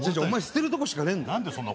お前捨てるとこしかねえんだよ。